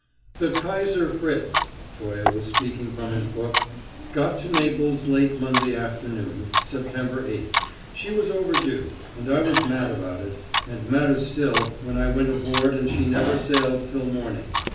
"The Kaiser Fritz" Toye was speaking from his book "got to Naples late Monday afternoon, September eighth. She was overdue, and I was mad about it, and madder still when I went aboard and she never sailed till morning.